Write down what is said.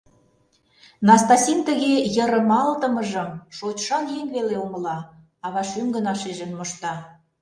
Настасин тыге йырымалтымыжым шочшан еҥ веле умыла, ава шӱм гына шижын мошта.